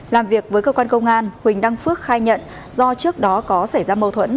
làm việc với cơ quan công an huỳnh đăng phước khai nhận do trước đó có xảy ra mâu thuẫn